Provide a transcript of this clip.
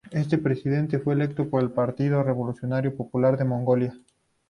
Este presidente fue electo por el partido Partido Revolucionario Popular de Mongolia.